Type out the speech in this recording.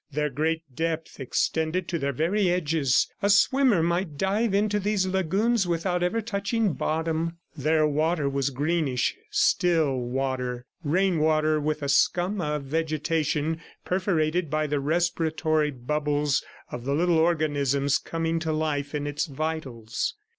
Their great depth extended to their very edges. A swimmer might dive into these lagoons without ever touching bottom. Their water was greenish, still water rain water with a scum of vegetation perforated by the respiratory bubbles of the little organisms coming to life in its vitals.